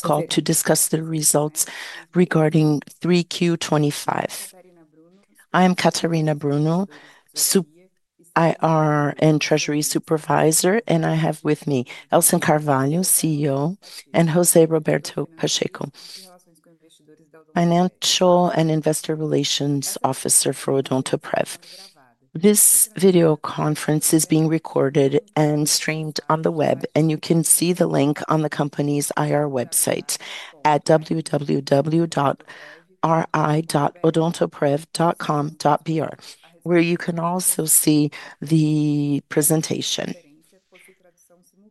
Calls to discuss the results regarding 3Q25. I am Katarina Brunner, IR and Treasury Supervisor, and I have with me Elson Carvalho, CEO, and José Roberto Pacheco, Financial and Investor Relations Officer for Odontoprev. This video conference is being recorded and streamed on the web, and you can see the link on the company's IR website at www.ri.odontoprev.com.br, where you can also see the presentation.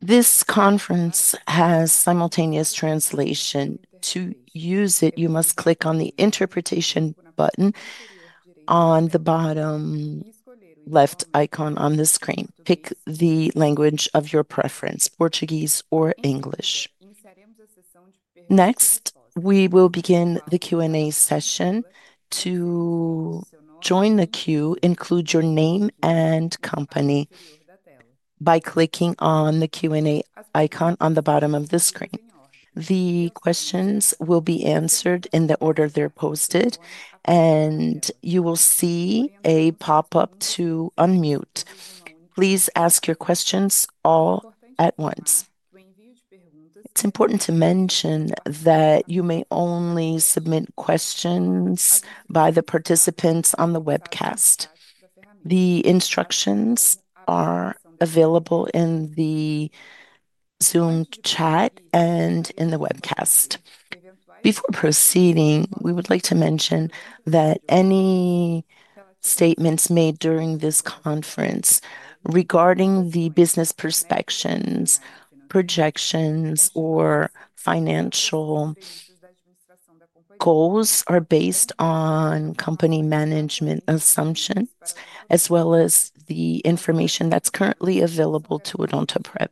This conference has simultaneous translation. To use it, you must click on the Interpretation button on the bottom left icon on the screen. Pick the language of your preference: Portuguese or English. Next, we will begin the Q&A session. To join the queue, include your name and company by clicking on the Q&A icon on the bottom of the screen. The questions will be answered in the order they're posted, and you will see a pop-up to unmute. Please ask your questions all at once. It's important to mention that you may only submit questions by the participants on the webcast. The instructions are available in the Zoom chat and in the webcast. Before proceeding, we would like to mention that any statements made during this conference regarding the business perspectives, projections, or financial goals are based on company management assumptions, as well as the information that's currently available to Odontoprev.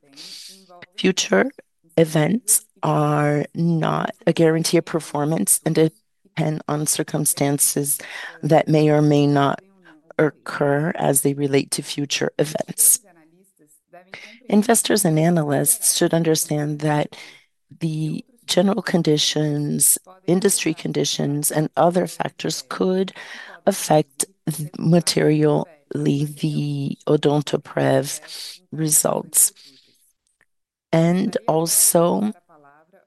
Future events are not a guarantee of performance and depend on circumstances that may or may not occur as they relate to future events. Investors and analysts should understand that the general conditions, industry conditions, and other factors could affect materially Odontoprev's results and also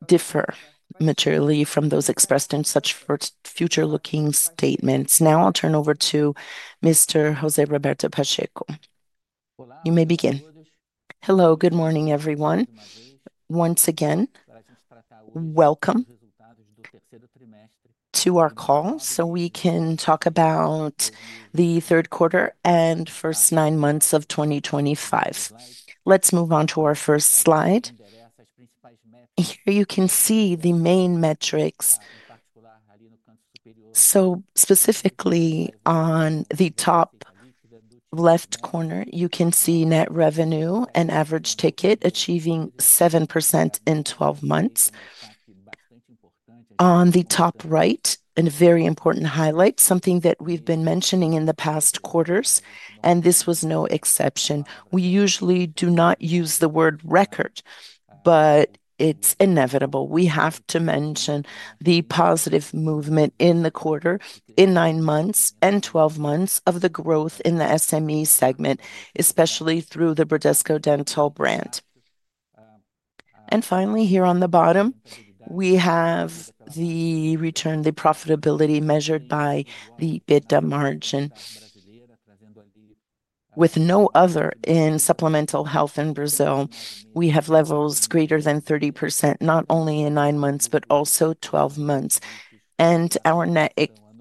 differ materially from those expressed in such future-looking statements. Now I'll turn over to Mr. José Roberto Pacheco. You may begin. Hello, good morning, everyone. Once again, welcome. To our call so we can talk about the third quarter and first nine months of 2025. Let's move on to our first slide. Here you can see the main metrics. Specifically on the top left corner, you can see net revenue and average ticket achieving 7% in 12 months. On the top right, a very important highlight, something that we've been mentioning in the past quarters, and this was no exception. We usually do not use the word record, but it's inevitable. We have to mention the positive movement in the quarter, in nine months, and 12 months of the growth in the SME segment, especially through the Bradesco Dental brand. Finally, here on the bottom, we have the return, the profitability measured by the EBITDA margin. With no other in supplemental health in Brazil, we have levels greater than 30%, not only in nine months but also 12 months, and our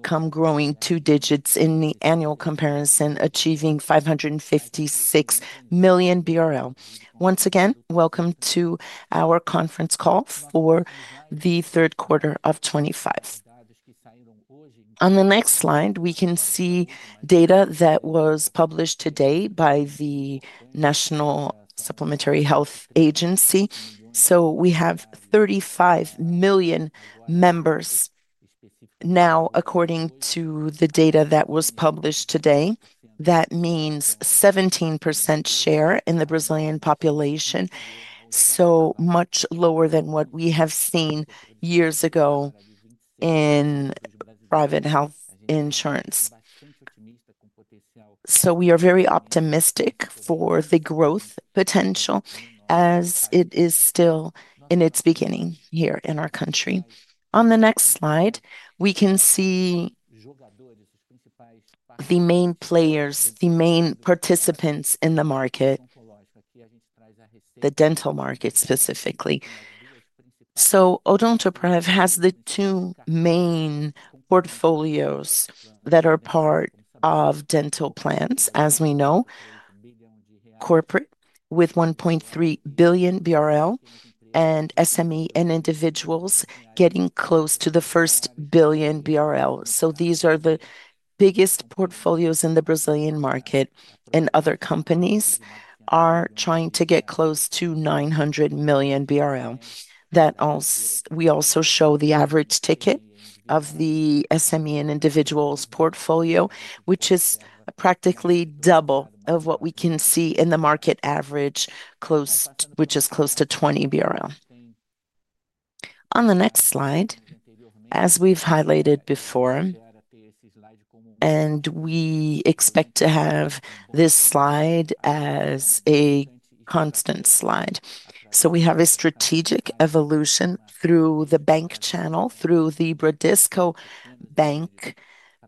net income growing two digits in the annual comparison, achieving 556 million BRL. Once again, welcome to our conference call for the third quarter of 2025. On the next slide, we can see data that was published today by the Agência Nacional de Saúde Suplementar. So we have 35 million members. Now, according to the data that was published today, that means a 17% share in the Brazilian population, so much lower than what we have seen years ago. In private health insurance. We are very optimistic for the growth potential, as it is still in its beginning here in our country. On the next slide, we can see the main players, the main participants in the market. The dental market specifically. Odontoprev has the two main portfolios that are part of dental plans, as we know. Corporate with 1.3 billion BRL and SME and individuals getting close to the first 1 billion BRL. These are the biggest portfolios in the Brazilian market, and other companies are trying to get close to 900 million BRL. We also show the average ticket of the SME and individuals portfolio, which is practically double of what we can see in the market average, which is close to 20 BRL. On the next slide, as we have highlighted before. We expect to have this slide as a constant slide. We have a strategic evolution through the bank channel, through the Bradesco Bank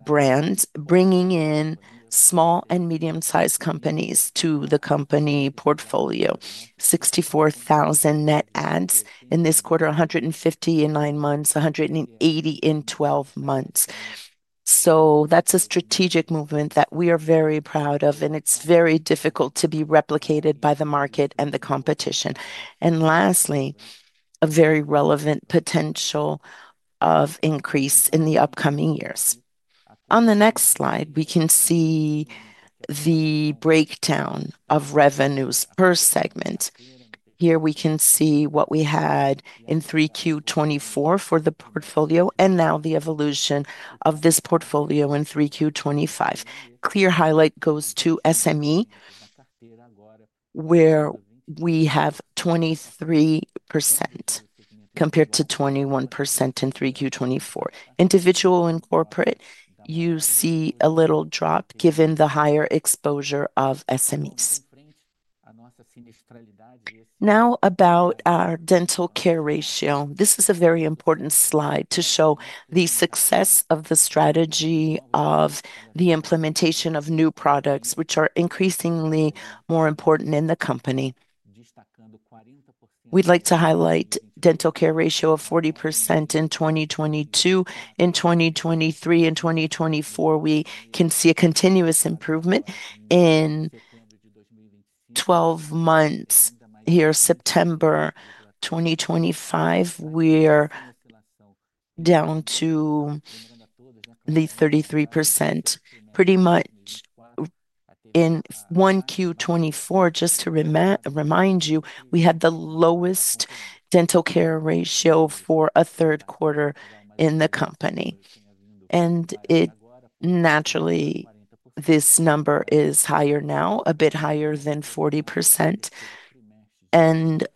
brand, bringing in small and medium-sized companies to the company portfolio, 64,000 net ads in this quarter, 150,000 in nine months, 180,000 in 12 months. That's a strategic movement that we are very proud of, and it's very difficult to be replicated by the market and the competition. Lastly, a very relevant potential of increase in the upcoming years. On the next slide, we can see the breakdown of revenues per segment. Here we can see what we had in 3Q2024 for the portfolio and now the evolution of this portfolio in 3Q2025. Clear highlight goes to SME, where we have 23% compared to 21% in 3Q2024. Individual and corporate, you see a little drop given the higher exposure of SMEs. Now about our dental care ratio. This is a very important slide to show the success of the strategy of the implementation of new products, which are increasingly more important in the company. We'd like to highlight the dental care ratio of 40% in 2022. In 2023 and 2024, we can see a continuous improvement. In twelve months, here, September 2025, we're down to 33%. Pretty much in 1Q24, just to remind you, we had the lowest dental care ratio for a third quarter in the company. Naturally, this number is higher now, a bit higher than 40%, and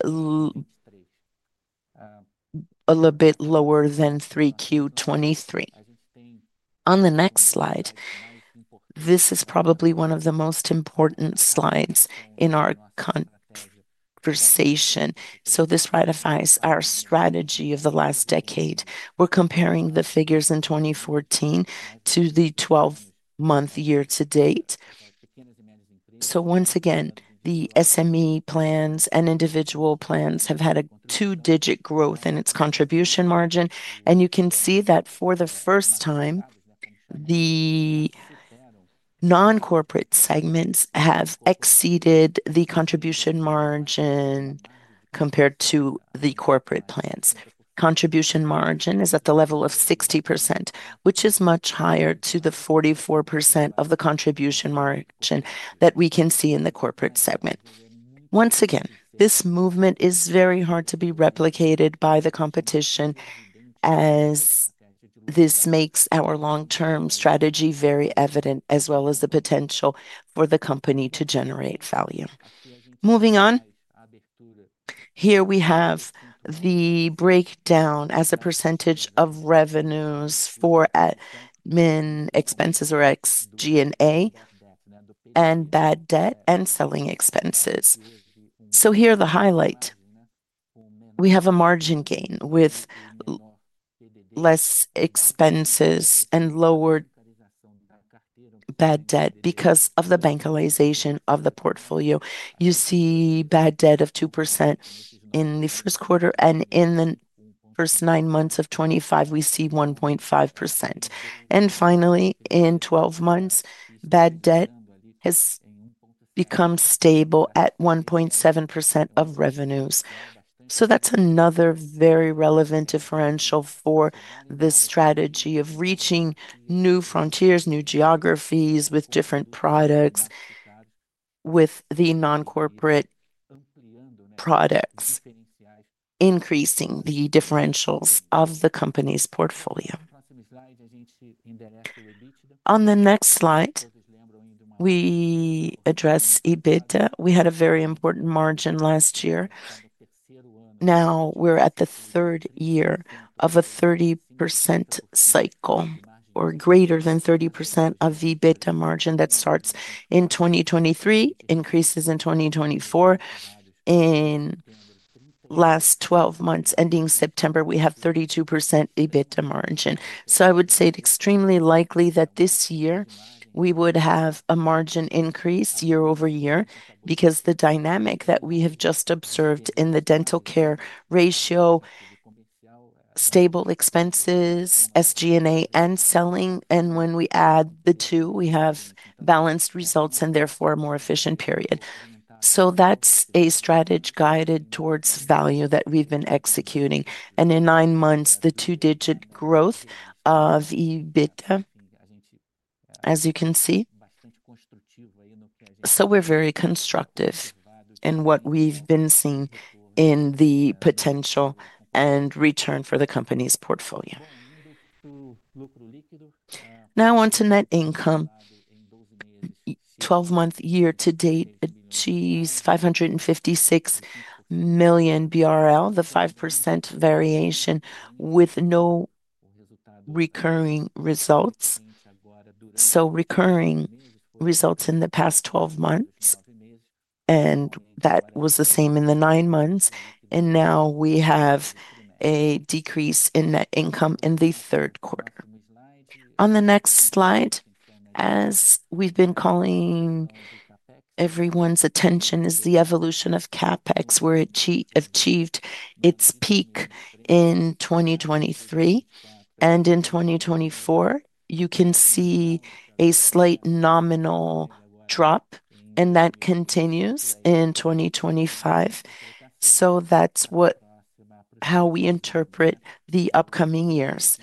a little bit lower than 3Q23. On the next slide, this is probably one of the most important slides in our conversation. This ratifies our strategy of the last decade. We're comparing the figures in 2014 to the twelve-month year to date. Once again, the SME plans and individual plans have had a two-digit growth in its contribution margin. You can see that for the first time, the non-corporate segments have exceeded the contribution margin compared to the corporate plans. Contribution margin is at the level of 60%, which is much higher to the 44% of the contribution margin that we can see in the corporate segment. Once again, this movement is very hard to be replicated by the competition. This makes our long-term strategy very evident, as well as the potential for the company to generate value. Moving on. Here we have the breakdown as a percentage of revenues for admin expenses, or SG&A, and bad debt, and selling expenses. Here's the highlight. We have a margin gain with less expenses and lower bad debt because of the bankalization of the portfolio. You see bad debt of 2% in the first quarter, and in the first nine months of 2025, we see 1.5%. Finally, in 12 months, bad debt has become stable at 1.7% of revenues. That's another very relevant differential for this strategy of reaching new frontiers, new geographies with different products. With the non-corporate products, increasing the differentials of the company's portfolio. On the next slide, we address EBITDA. We had a very important margin last year. Now we're at the third year of a 30% cycle, or greater than 30% of EBITDA margin that starts in 2023, increases in 2024. In the last 12 months ending September, we have 32% EBITDA margin. I would say it's extremely likely that this year we would have a margin increase year-over-year because the dynamic that we have just observed in the dental care ratio. Stable expenses, SG&A, and selling. When we add the two, we have balanced results and therefore a more efficient period. That's a strategy guided towards value that we've been executing. In nine months, the two-digit growth of EBITDA, as you can see. We are very constructive in what we have been seeing in the potential and return for the company's portfolio. Now on to net income. In 12-month year to date, it achieves 556 million BRL, the 5% variation with no recurring results. Recurring results in the past 12 months, and that was the same in the nine months. We have a decrease in net income in the third quarter. On the next slide, as we have been calling everyone's attention, is the evolution of Capex. We are at its peak in 2023. In 2024, you can see a slight nominal drop, and that continues in 2025. That is how we interpret the upcoming years.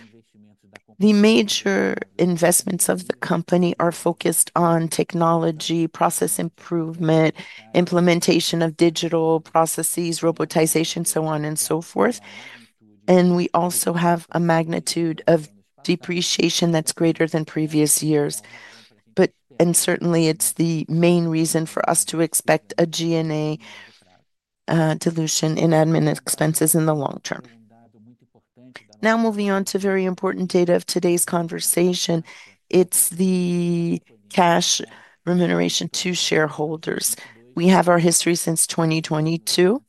The major investments of the company are focused on technology, process improvement, implementation of digital processes, robotization, and so on and so forth. We also have a magnitude of depreciation that is greater than previous years. It is certainly the main reason for us to expect a G&A dilution in admin expenses in the long term. Now, moving on to very important data of today's conversation. It is the cash remuneration to shareholders. We have our history since 2022.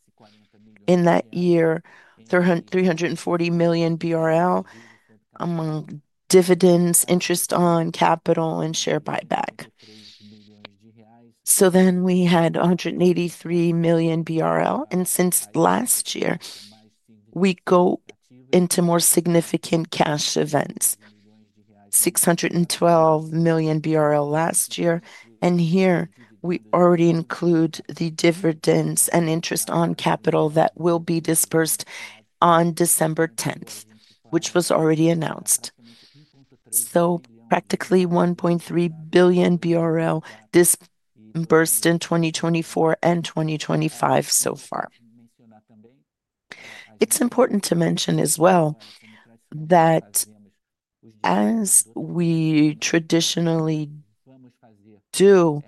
In that year, 340 million BRL among dividends, interest on capital, and share buyback. Then we had 183 million BRL. Since last year, we go into more significant cash events. 612 million BRL last year. Here, we already include the dividends and interest on capital that will be disbursed on December 10, which was already announced. Practically, 1.3 billion BRL disbursed in 2024 and 2025 so far. It is important to mention as well that, as we traditionally do,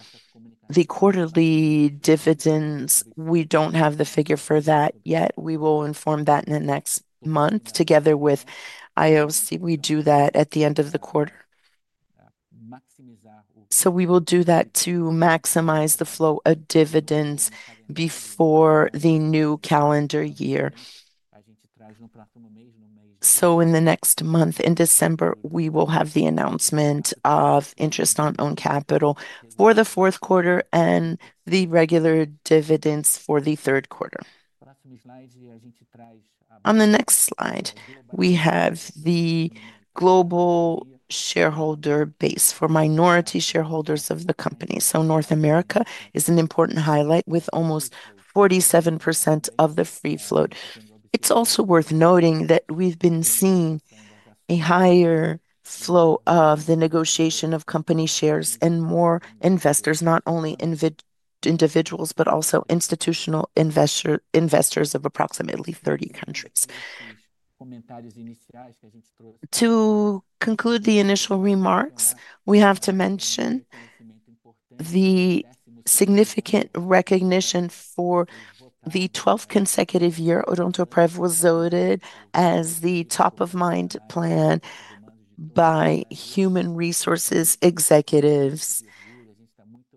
the quarterly dividends, we do not have the figure for that yet. We will inform that in the next month, together with IOC. We do that at the end of the quarter. We will do that to maximize the flow of dividends before the new calendar year. In the next month, in December, we will have the announcement of interest on own capital for the fourth quarter and the regular dividends for the third quarter. On the next slide, we have the global shareholder base for minority shareholders of the company. North America is an important highlight with almost 47% of the free float. It's also worth noting that we've been seeing a higher flow of the negotiation of company shares and more investors, not only individuals but also institutional investors of approximately 30 countries. To conclude the initial remarks, we have to mention the significant recognition for the 12th consecutive year Odontoprev was voted as the top-of-mind plan. By human resources executives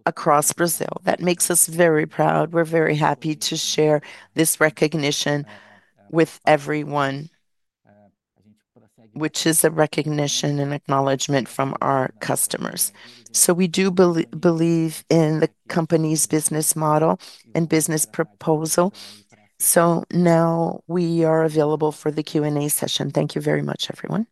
across Brazil. That makes us very proud. We're very happy to share this recognition with everyone, which is a recognition and acknowledgment from our customers. We do believe in the company's business model and business proposal. Now we are available for the Q&A session. Thank you very much, everyone.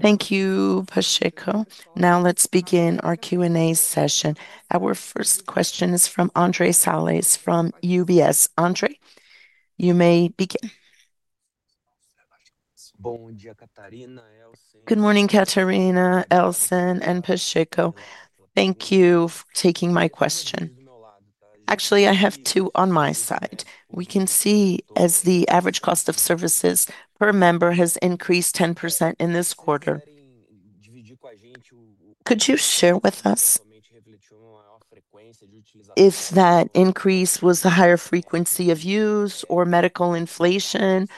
Thank you, Pacheco. Now let's begin our Q&A session. Our first question is from Andre Salas from UBS. Andre, you may begin. Good morning, Catarina, Elson, and Pacheco. Thank you for taking my question. Actually, I have two on my side. We can see as the average cost of services per member has increased 10% in this quarter. Could you share with us if that increase was the higher frequency of use or medical inflation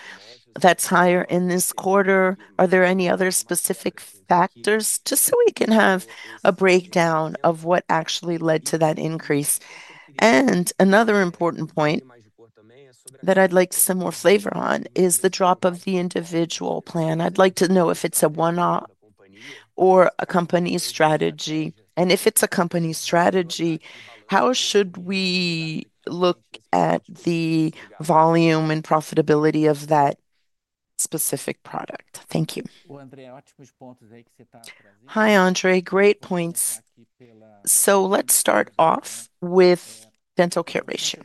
that's higher in this quarter? Are there any other specific factors? Just so we can have a breakdown of what actually led to that increase. Another important point that I'd like some more flavor on is the drop of the individual plan. I'd like to know if it's a one-off or a company strategy. If it's a company strategy, how should we look at the volume and profitability of that specific product? Thank you. Hi, Andre. Great points. Let's start off with dental care ratio.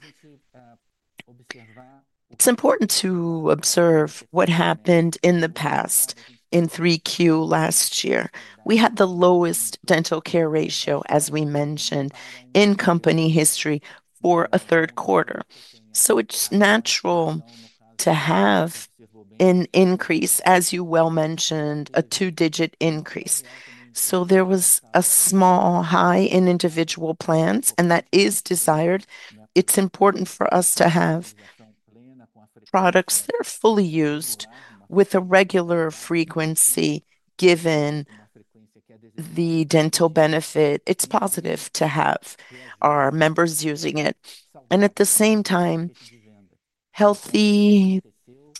It's important to observe what happened in the past. In 3Q last year, we had the lowest dental care ratio, as we mentioned, in company history for a third quarter. It's natural to have an increase, as you well mentioned, a two-digit increase. There was a small high in individual plans, and that is desired. It's important for us to have products that are fully used with a regular frequency given. The dental benefit. It's positive to have our members using it. At the same time, healthy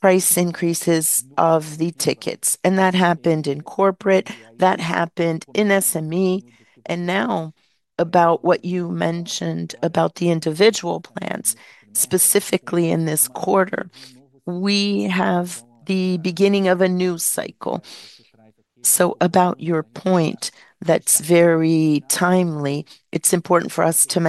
price increases of the tickets. That happened in corporate. That happened in SME. Now, about what you mentioned about the individual plans, specifically in this quarter, we have the beginning of a new cycle. About your point, that's very timely. It's important for us to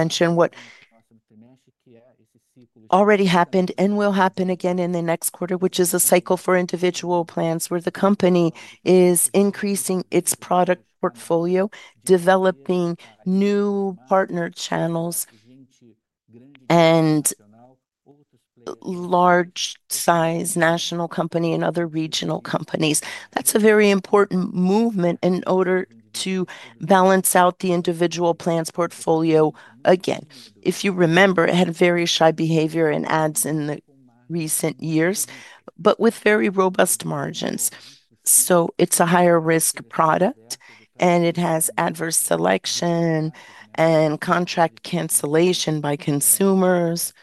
mention what already happened and will happen again in the next quarter, which is a cycle for individual plans where the company is increasing its product portfolio, developing new partner channels. Large-sized national company and other regional companies. That's a very important movement in order to balance out the individual plans portfolio again. If you remember, it had very shy behavior in ads in the recent years, but with very robust margins. It's a higher-risk product, and it has adverse selection and contract cancellation by consumers.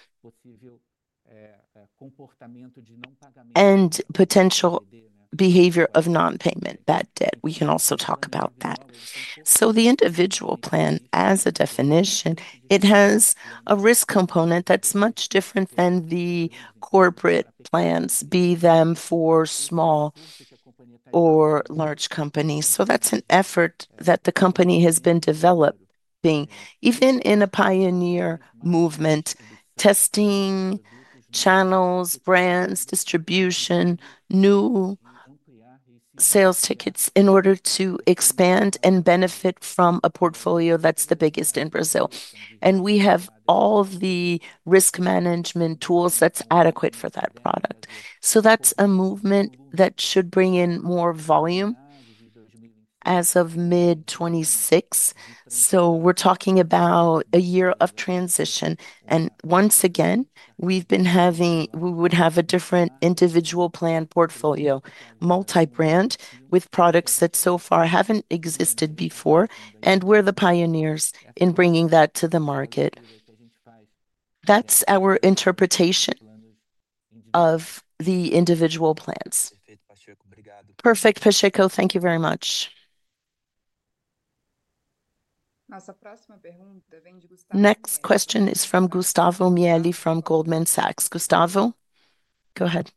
And potential behavior of non-payment, bad debt. We can also talk about that. The individual plan, as a definition, has a risk component that's much different than the corporate plans, be them for small or large companies. That's an effort that the company has been developing, even in a pioneer movement, testing channels, brands, distribution, new sales tickets in order to expand and benefit from a portfolio that's the biggest in Brazil. We have all the risk management tools that's adequate for that product. That's a movement that should bring in more volume as of mid-2026. We're talking about a year of transition. Once again, we would have a different individual plan portfolio, multi-brand, with products that so far haven't existed before. We're the pioneers in bringing that to the market. That's our interpretation of the individual plans. Perfect, Pacheco. Thank you very much. Next question is from Gustavo Mieli from Goldman Sachs. Gustavo, go ahead.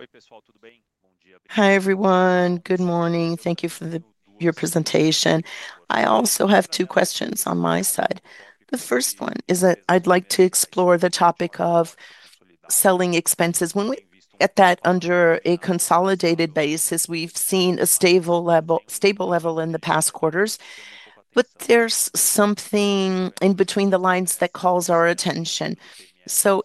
Oi, pessoal, tudo bem? Bom dia. Hi everyone, good morning. Thank you for your presentation. I also have two questions on my side. The first one is that I'd like to explore the topic of selling expenses. When we get that under a consolidated basis, we've seen a stable level in the past quarters. There's something in between the lines that calls our attention.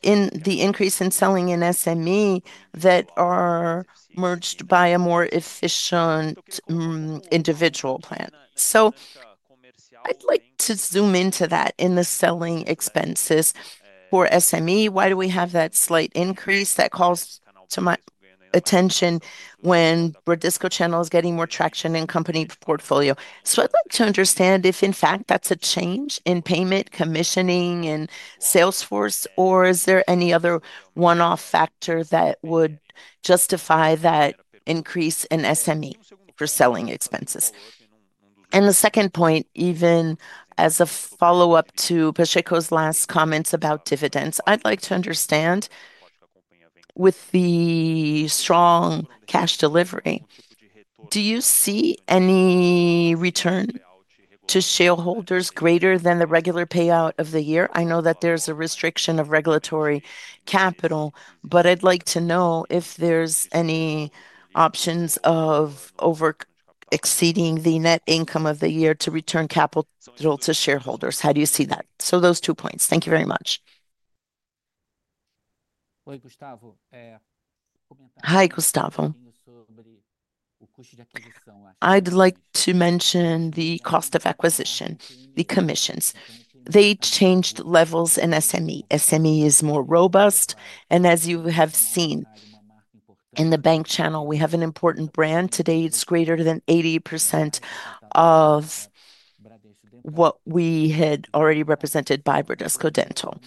In the increase in selling in SME that are merged by a more efficient individual plan. I'd like to zoom into that in the selling expenses for SME. Why do we have that slight increase that calls to my attention when Bradesco channel is getting more traction in company portfolio? I would like to understand if, in fact, that is a change in payment, commissioning, and sales force, or is there any other one-off factor that would justify that increase in SME for selling expenses? The second point, even as a follow-up to Pacheco's last comments about dividends, I would like to understand. With the strong cash delivery, do you see any return to shareholders greater than the regular payout of the year? I know that there is a restriction of regulatory capital, but I would like to know if there are any options of exceeding the net income of the year to return capital to shareholders. How do you see that? Those two points. Thank you very much. Oi, Gustavo. I would like to mention the cost of acquisition, the commissions. They changed levels in SME. SME is more robust. As you have seen, in the bank channel, we have an important brand. Today, it is greater than 80% of what we had already represented by Bradesco Dental.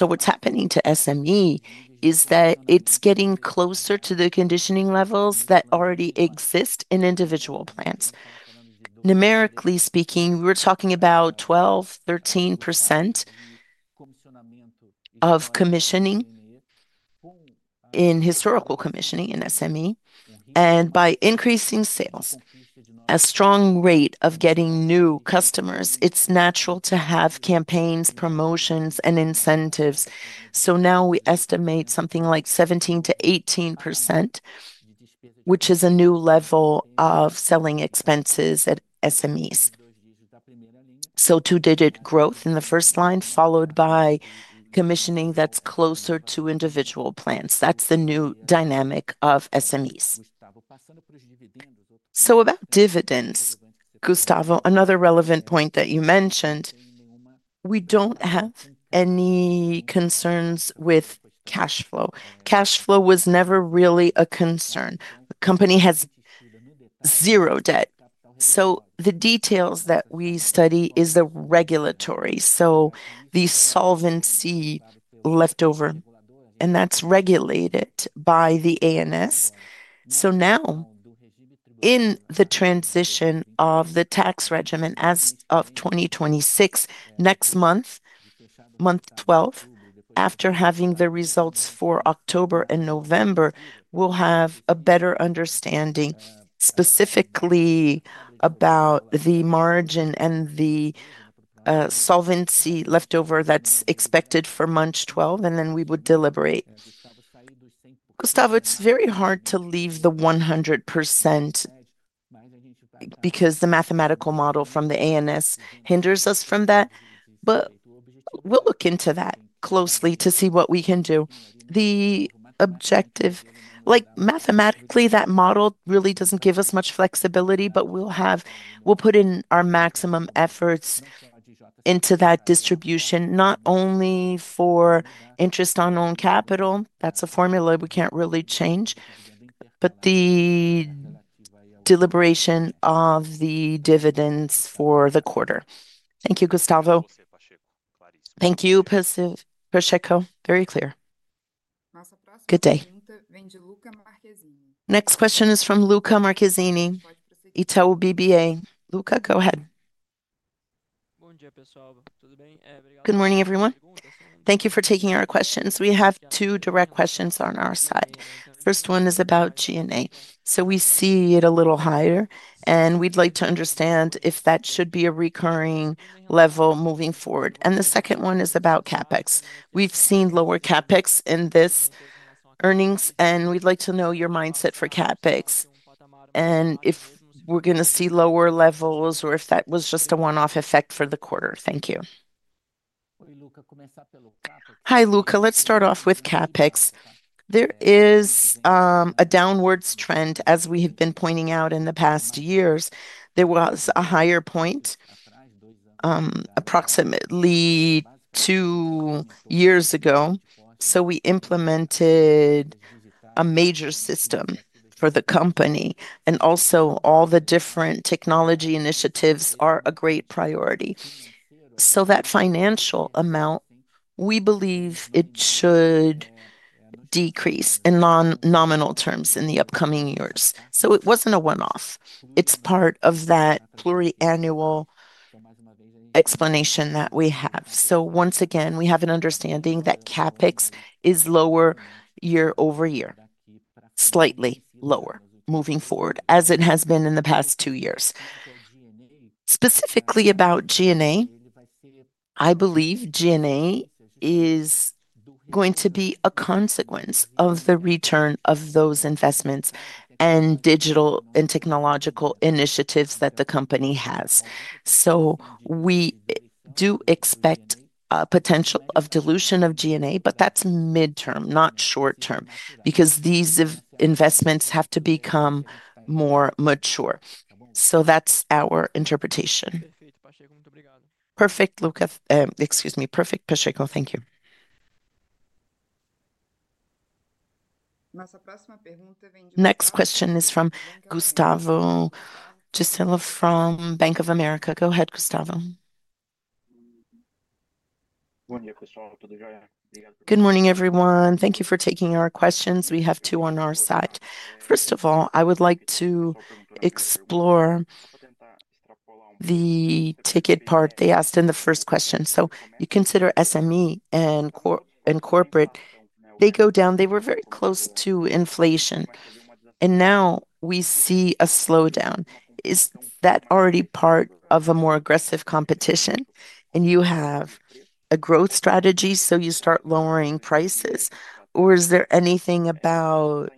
What is happening to SME is that it is getting closer to the commissioning levels that already exist in individual plans. Numerically speaking, we were talking about 12%-13% of commissioning in historical commissioning in SME. By increasing sales, a strong rate of getting new customers, it is natural to have campaigns, promotions, and incentives. Now we estimate something like 17%-18%, which is a new level of selling expenses at SMEs. Two-digit growth in the first line, followed by commissioning that is closer to individual plans. That is the new dynamic of SMEs. About dividends, Gustavo, another relevant point that you mentioned, we do not have any concerns with cash flow. Cash flow was never really a concern. The company has zero debt. The details that we study are the regulatory, so the solvency leftover, and that's regulated by the ANS. Now, in the transition of the tax regimen as of 2026, next month, month 12, after having the results for October and November, we'll have a better understanding specifically about the margin and the solvency leftover that's expected for month 12, and then we would deliberate. Gustavo, it's very hard to leave the 100% because the mathematical model from the ANS hinders us from that. We'll look into that closely to see what we can do. The objective, like mathematically, that model really doesn't give us much flexibility, but we'll put in our maximum efforts into that distribution, not only for interest on own capital. That's a formula we can't really change, but the. Deliberation of the dividends for the quarter. Thank you, Gustavo. Thank you, Pacheco. Very clear. Good day. Next question is from Luca Marchesini. It's our BBA. Luca, go ahead. Bom dia, pessoal. Tudo bem? Good morning, everyone. Thank you for taking our questions. We have two direct questions on our side. The first one is about G&A. We see it a little higher, and we'd like to understand if that should be a recurring level moving forward. The second one is about CapEx. We've seen lower CapEx in this earnings, and we'd like to know your mindset for CapEx. If we're going to see lower levels or if that was just a one-off effect for the quarter. Thank you. Hi, Luca. Let's start off with CapEx. There is a downward trend, as we have been pointing out in the past years. There was a higher point. Approximately. Two years ago. We implemented a major system for the company, and also all the different technology initiatives are a great priority. That financial amount, we believe it should decrease in nominal terms in the upcoming years. It was not a one-off. It is part of that pluriannual explanation that we have. Once again, we have an understanding that CapEx is lower year-over-year, slightly lower moving forward, as it has been in the past two years. Specifically about G&A, I believe G&A is going to be a consequence of the return of those investments and digital and technological initiatives that the company has. We do expect a potential of dilution of G&A, but that is midterm, not short-term, because these investments have to become more mature. That is our interpretation. Perfect, Luca. Excuse me. Perfect, Pacheco. Thank you. Next question is from Gustavo. Just from Bank of America. Go ahead, Gustavo. Good morning, everyone. Thank you for taking our questions. We have two on our side. First of all, I would like to explore the ticket part they asked in the first question. So you consider SME and corporate, they go down. They were very close to inflation. Now we see a slowdown. Is that already part of a more aggressive competition? You have a growth strategy, so you start lowering prices. Is there anything about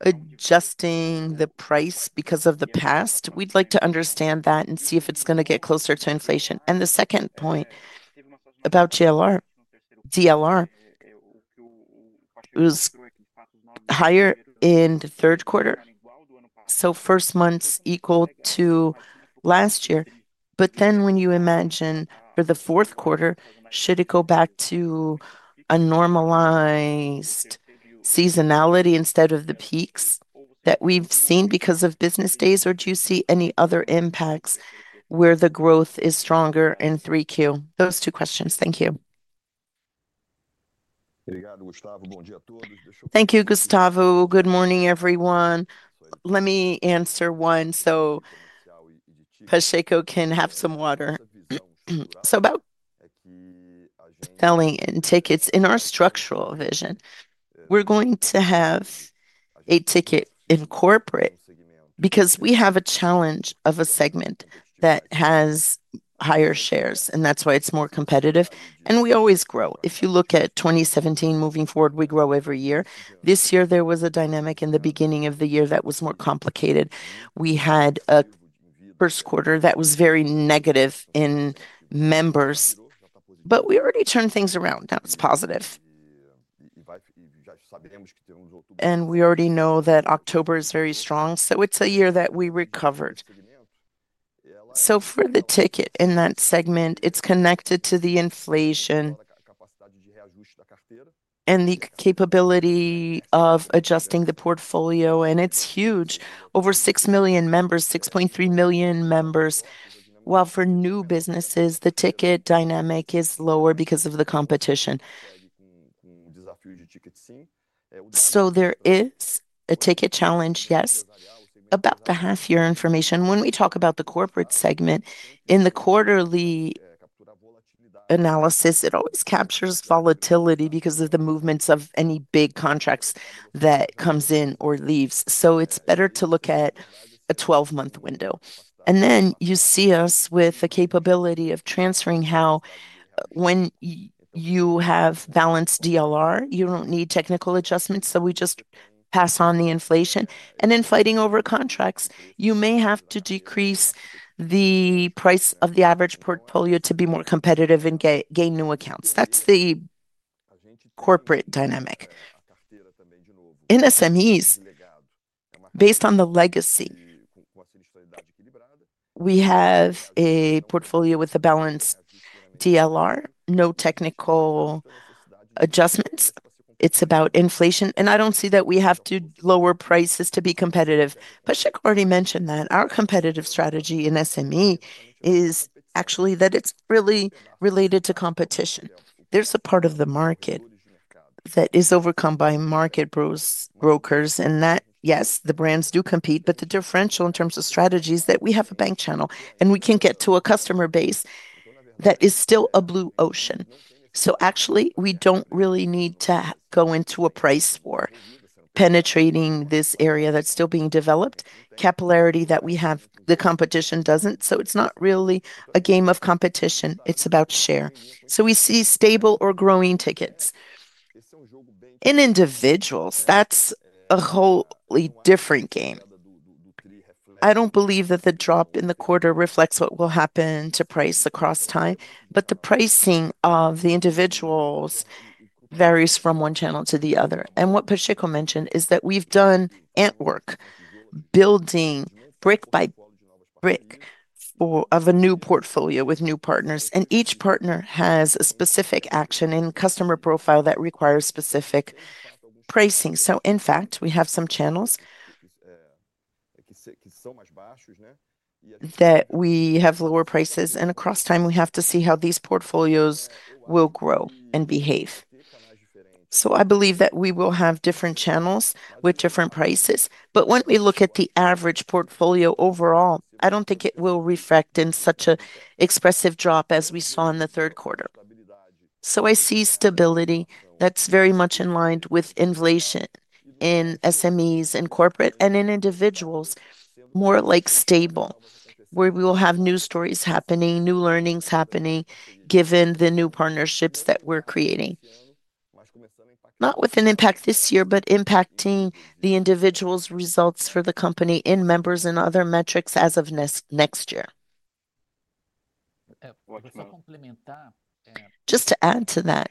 adjusting the price because of the past? We'd like to understand that and see if it's going to get closer to inflation. The second point, about GLR. DLR was higher in the third quarter. First months equal to last year, but when you imagine for the fourth quarter, should it go back to a normalized. Seasonality instead of the peaks that we've seen because of business days? Or do you see any other impacts where the growth is stronger in 3Q? Those two questions. Thank you. Obrigado, Gustavo. Bom dia a todos. Thank you, Gustavo. Good morning, everyone. Let me answer one. Pacheco can have some water. About selling in tickets, in our structural vision, we're going to have a ticket in corporate because we have a challenge of a segment that has higher shares, and that's why it's more competitive. We always grow. If you look at 2017, moving forward, we grow every year. This year, there was a dynamic in the beginning of the year that was more complicated. We had a first quarter that was very negative in members, but we already turned things around. That was positive. We already know that October is very strong. It's a year that we recovered. For the ticket in that segment, it's connected to the inflation and the capability of adjusting the portfolio. It's huge, over 6 million members, 6.3 million members. While for new businesses, the ticket dynamic is lower because of the competition. There is a ticket challenge, yes. About the half-year information, when we talk about the corporate segment in the quarterly analysis, it always captures volatility because of the movements of any big contracts that come in or leave. It's better to look at a 12-month window, and then you see us with the capability of transferring. When you have balanced DLR, you don't need technical adjustments, so we just pass on the inflation. In fighting over contracts, you may have to decrease the price of the average portfolio to be more competitive and gain new accounts. That's the corporate dynamic. In SMEs, based on the legacy, we have a portfolio with a balanced DLR, no technical adjustments. It's about inflation, and I don't see that we have to lower prices to be competitive. Pacheco already mentioned that. Our competitive strategy in SME is actually that it's really related to competition. There's a part of the market that is overcome by market brokers, and that, yes, the brands do compete, but the differential in terms of strategy is that we have a bank channel and we can get to a customer base that is still a blue ocean. Actually, we don't really need to go into a price war. Penetrating this area that's still being developed, capillarity that we have, the competition doesn't. It's not really a game of competition. It's about share. We see stable or growing tickets. In individuals, that's a wholly different game. I don't believe that the drop in the quarter reflects what will happen to price across time, but the pricing of the individuals varies from one channel to the other. What Pacheco mentioned is that we've done antwork, building brick by brick of a new portfolio with new partners. Each partner has a specific action and customer profile that requires specific pricing. In fact, we have some channels that we have lower prices. Across time, we have to see how these portfolios will grow and behave. I believe that we will have different channels with different prices. When we look at the average portfolio overall, I don't think it will refract in such an expressive drop as we saw in the third quarter. I see stability that's very much in line with inflation in SMEs and corporate and in individuals, more like stable, where we will have new stories happening, new learnings happening, given the new partnerships that we're creating. Not with an impact this year, but impacting the individuals' results for the company in members and other metrics as of next year. Just to add to that.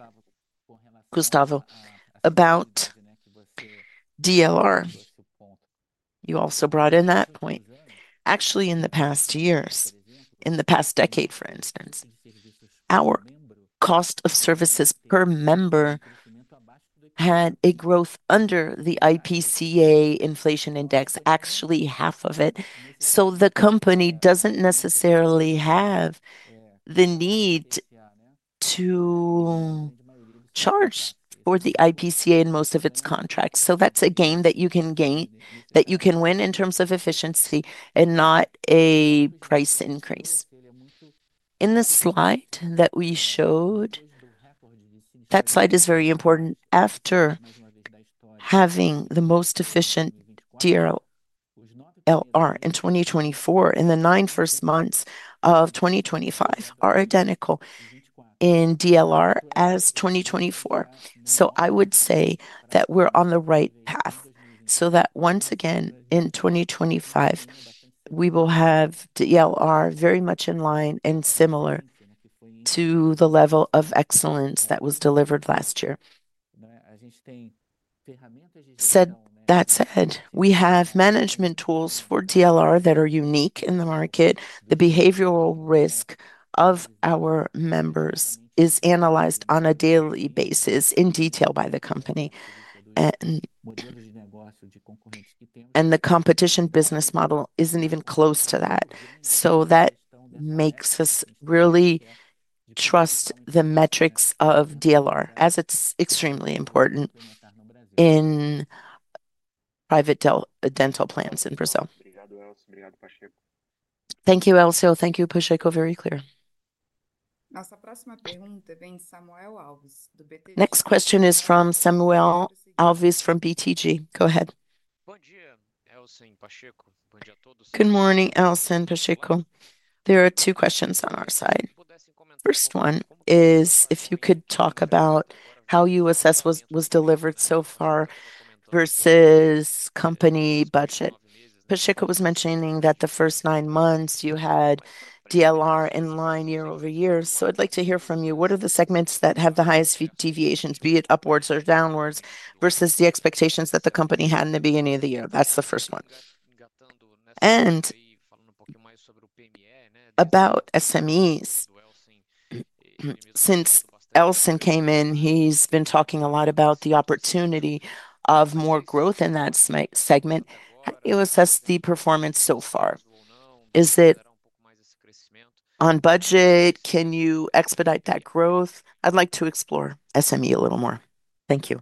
Gustavo, about DLR. You also brought in that point. Actually, in the past years, in the past decade, for instance, our cost of services per member had a growth under the IPCA inflation index, actually half of it. So the company doesn't necessarily have the need to charge for the IPCA in most of its contracts. That's a game that you can gain, that you can win in terms of efficiency and not a price increase. In the slide that we showed. That slide is very important. After having the most efficient DLR in 2024, in the nine first months of 2025, are identical in DLR as 2024. I would say that we're on the right path. Once again, in 2025, we will have DLR very much in line and similar to the level of excellence that was delivered last year. Said that, we have management tools for DLR that are unique in the market. The behavioral risk of our members is analyzed on a daily basis in detail by the company. The competition business model isn't even close to that. That makes us really trust the metrics of DLR, as it's extremely important in private dental plans in Brazil. Thank you, Elson. Thank you, Pacheco. Very clear. Nossa próxima pergunta vem de Samuel Alves, do BTG. Next question is from Samuel Alves from BTG. Go ahead. Bom dia, Elson Pacheco. Bom dia a todos. Good morning, Elson Pacheco. There are two questions on our side. First one is if you could talk about how you assess what was delivered so far versus company budget. Pacheco was mentioning that the first nine months you had DLR in line year-over-year. I would like to hear from you what are the segments that have the highest deviations, be it upwards or downwards, versus the expectations that the company had in the beginning of the year. That is the first one. About SMEs, since Elson came in, he has been talking a lot about the opportunity of more growth in that segment. How do you assess the performance so far? Is it on budget? Can you expedite that growth? I would like to explore SME a little more. Thank you.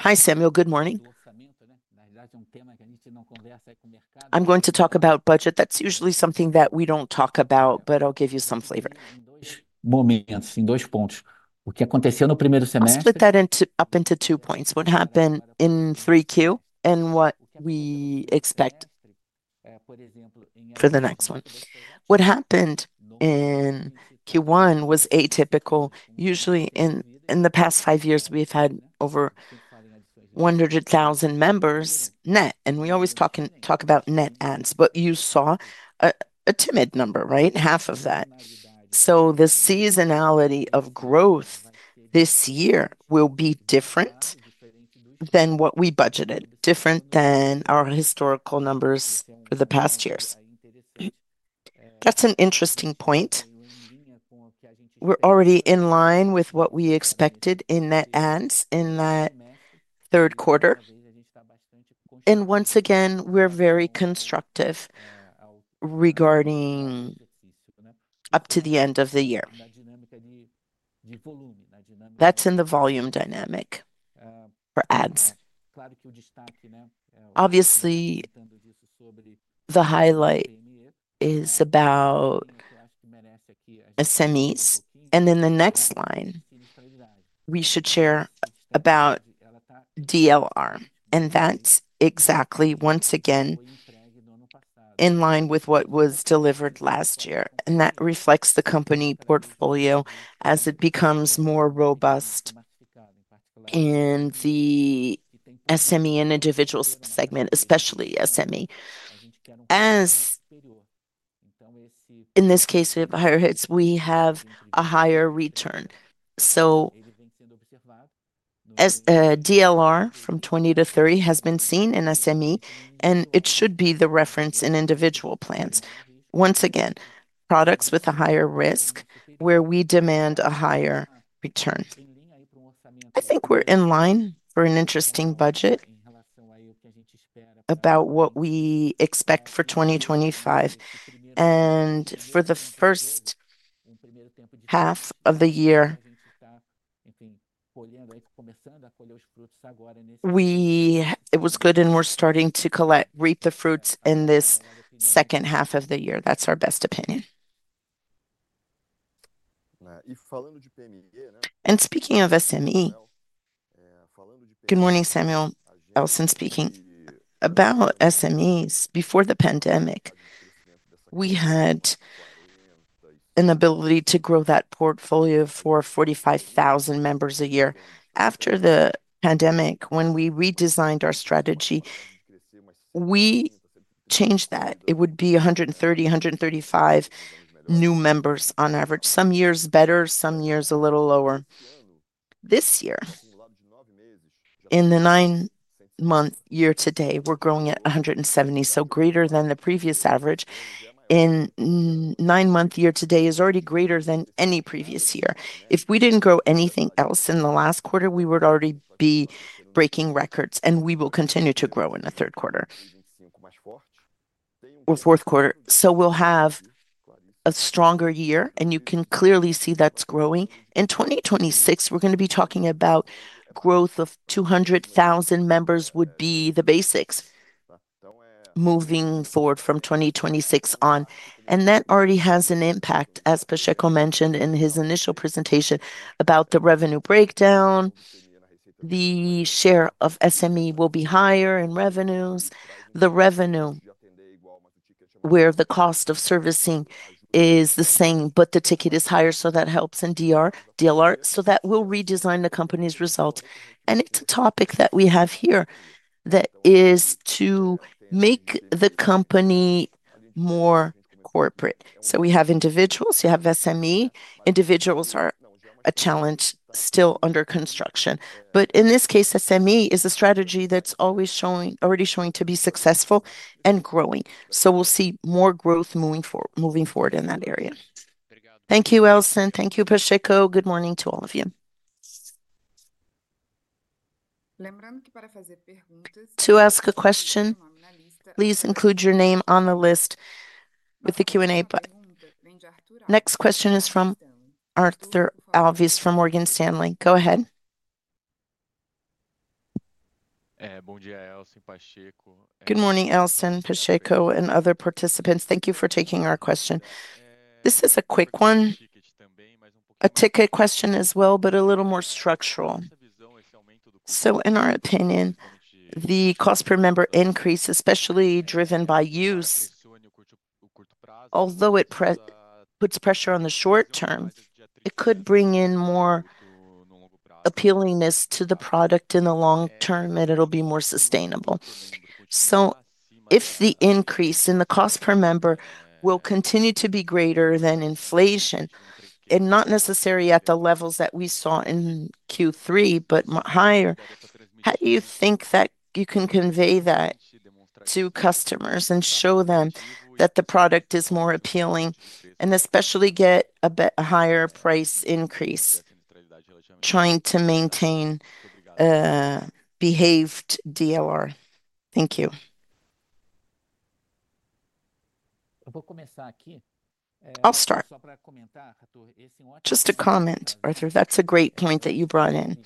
Hi, Samuel. Good morning. Na realidade, é tema que a gente não conversa com o mercado. I'm going to talk about budget. That's usually something that we don't talk about, but I'll give you some flavor. Em dois momentos, em dois pontos. O que aconteceu no primeiro semestre? Let's split that up into two points. What happened in 3Q and what we expect. For the next one. What happened in Q1 was atypical. Usually, in the past five years, we've had over 100,000 members net. And we always talk about net ads, but you saw a timid number, right? Half of that. So the seasonality of growth this year will be different than what we budgeted, different than our historical numbers for the past years. That's an interesting point. We're already in line with what we expected in net ads in that third quarter. And once again, we're very constructive. Regarding. Up to the end of the year. That is in the volume dynamic. For ads. Obviously, the highlight is about SMEs. In the next line, we should share about DLR. That is exactly, once again, in line with what was delivered last year. That reflects the company portfolio as it becomes more robust in the SME and individual segment, especially SME. In this case of higher heads, we have a higher return. DLR from 20%-30% has been seen in SME, and it should be the reference in individual plans. Once again, products with a higher risk where we demand a higher return. I think we are in line for an interesting budget about what we expect for 2025. For the first half of the year, it was good, and we are starting to reap the fruits in this second half of the year. That is our best opinion. Speaking of SME. Good morning, Samuel. Elson speaking. About SMEs, before the pandemic, we had an ability to grow that portfolio for 45,000 members a year. After the pandemic, when we redesigned our strategy, we changed that. It would be 130,000-135,000 new members on average. Some years better, some years a little lower. This year, in the nine-month year to date, we're growing at 170,000, so greater than the previous average. In nine-month year to date, it is already greater than any previous year. If we did not grow anything else in the last quarter, we would already be breaking records, and we will continue to grow in the third quarter or fourth quarter. We will have a stronger year, and you can clearly see that is growing. In 2026, we are going to be talking about growth of 200,000 members would be the basics, moving forward from 2026 on. That already has an impact, as Pacheco mentioned in his initial presentation, about the revenue breakdown. The share of SME will be higher in revenues. The revenue where the cost of servicing is the same, but the ticket is higher, so that helps in DLR. That will redesign the company's result. It is a topic that we have here that is to make the company more corporate. We have individuals, you have SME, individuals are a challenge still under construction. In this case, SME is a strategy that is already showing to be successful and growing. We will see more growth moving forward in that area. Thank you, Elson. Thank you, Pacheco. Good morning to all of you. Lembrando que para fazer perguntas. To ask a question, please include your name on the list with the Q&A button. Next question is from Arthur Alves from Morgan Stanley. Go ahead. Bom dia, Elson, Pacheco. Good morning, Elson, Pacheco, and other participants. Thank you for taking our question. This is a quick one. A ticket question as well, but a little more structural. In our opinion, the cost per member increase, especially driven by use, although it puts pressure on the short term, it could bring in more appealingness to the product in the long term, and it will be more sustainable. If the increase in the cost per member will continue to be greater than inflation, and not necessarily at the levels that we saw in Q3, but higher, how do you think that you can convey that to customers and show them that the product is more appealing and especially get a higher price increase, trying to maintain behaved DLR? Thank you. Eu vou começar aqui. I'll start. Só para comentar, Arthur, esse é ótimo. Just a comment, Arthur. That's a great point that you brought in.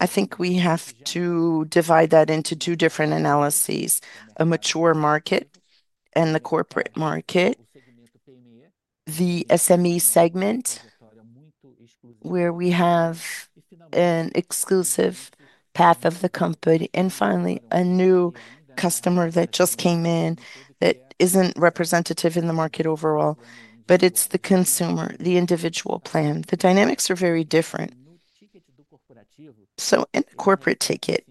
I think we have to divide that into two different analyses: a mature market, and the corporate market, the SME segment, where we have an exclusive path of the company, and finally, a new customer that just came in that isn't representative in the market overall, but it's the consumer, the individual plan. The dynamics are very different. In the corporate ticket,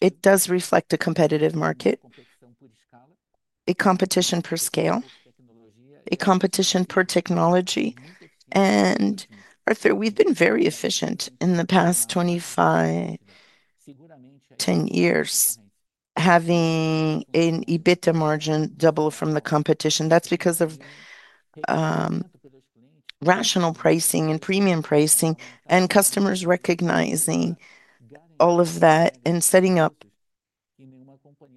it does reflect a competitive market, a competition per scale, a competition per technology. Arthur, we've been very efficient in the past 25-10 years, having an EBITDA margin double from the competition. That's because of rational pricing and premium pricing and customers recognizing all of that and setting up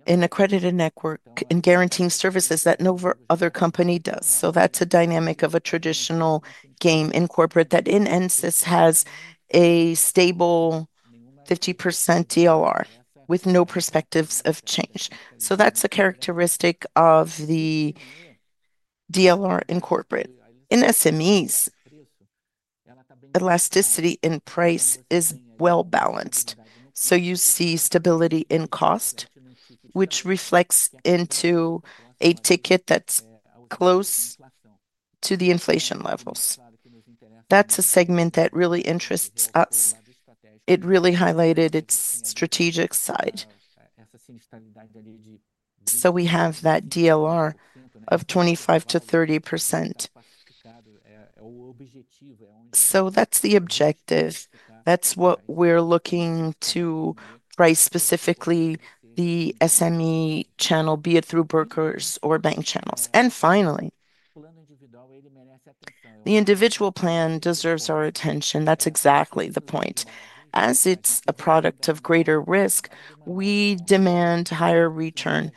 an accredited network and guaranteeing services that no other company does. That's a dynamic of a traditional game in corporate that in NSYS has a stable 50% DLR with no perspectives of change. That's a characteristic of the DLR in corporate. In SMEs, elasticity in price is well-balanced, so you see stability in cost, which reflects into a ticket that's close to the inflation levels. That's a segment that really interests us. It really highlighted its strategic side. We have that DLR of 25-30%. That's the objective. That's what we're looking to price specifically in the SME channel, be it through brokers or bank channels. Finally, the individual plan deserves our attention. That's exactly the point. As it's a product of greater risk, we demand higher return,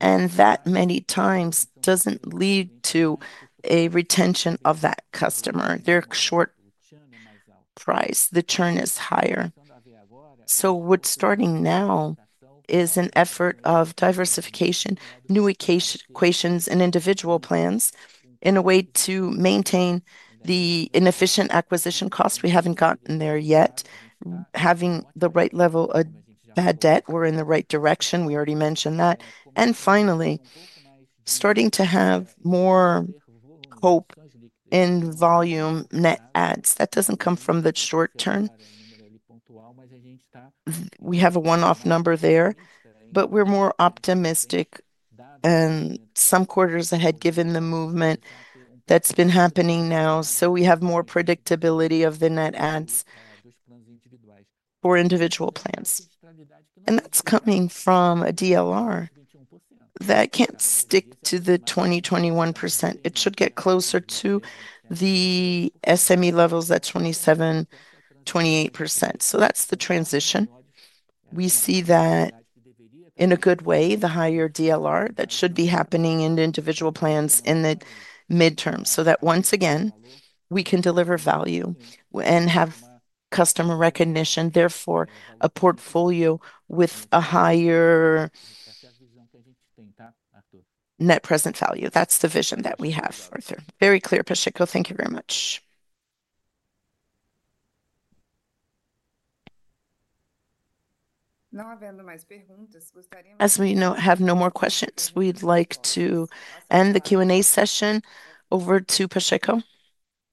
and that many times doesn't lead to a retention of that customer. They're short price. The churn is higher. What's starting now. is an effort of diversification, new equations, and individual plans in a way to maintain the inefficient acquisition costs. We have not gotten there yet. Having the right level of bad debt, we are in the right direction. We already mentioned that. Finally, starting to have more hope in volume net ads. That does not come from the short term. We have a one-off number there, but we are more optimistic in some quarters ahead, given the movement that has been happening now, so we have more predictability of the net ads for individual plans. That is coming from a DLR that cannot stick to the 20-21%. It should get closer to the SME levels at 27-28%. That is the transition. We see that. In a good way, the higher DLR that should be happening in individual plans in the midterm, so that once again, we can deliver value and have customer recognition, therefore a portfolio with a higher net present value. That's the vision that we have, Arthur. Very clear, Pacheco. Thank you very much. Não havendo mais perguntas, gostaríamos. As we have no more questions, we'd like to end the Q&A session. Over to Pacheco.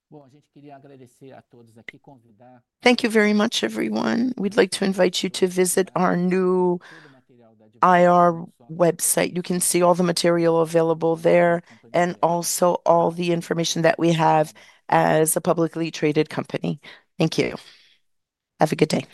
Bom, a gente queria agradecer a todos aqui, convidar. Thank you very much, everyone. We'd like to invite you to visit our new IR website. You can see all the material available there and also all the information that we have as a publicly traded company. Thank you. Have a good day.